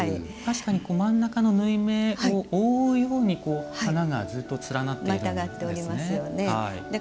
確かに真ん中の縫い目を覆うように花がずっと連なっているんですね。